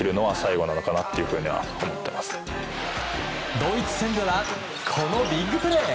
ドイツ戦ではこのビッグプレー。